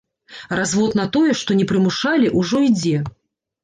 Развод на тое, што не прымушалі, ужо ідзе.